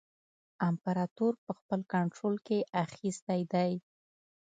امپراطور په خپل کنټرول کې اخیستی دی.